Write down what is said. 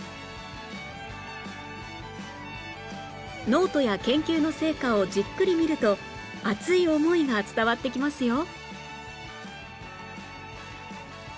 ノートや研究の成果をじっくり見ると熱い思いが伝わってきますよ！